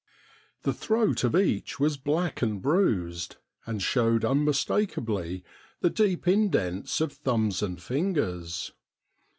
The throat of each was black and bruised, and showed un mistakably the deep indents of thumbs and fingers.